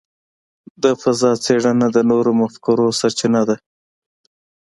د فضاء څېړنه د نوو مفکورو سرچینه ده.